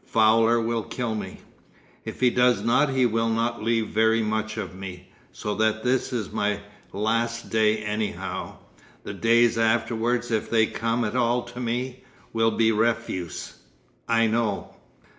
'Fowler will kill me. If he does not he will not leave very much of me. So that this is my last day anyhow, the days afterwards if they come at all to me, will be refuse. I know....